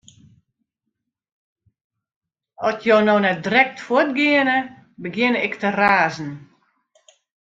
At jo no net direkt fuort geane, begjin ik te razen.